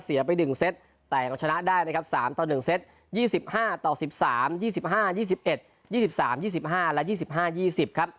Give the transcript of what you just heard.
ไป๑เซตแต่เราชนะได้นะครับ๓ต่อ๑เซต๒๕ต่อ๑๓๒๕๒๑๒๓๒๕และ๒๕๒๐ครับ